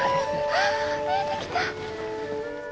あ見えてきた！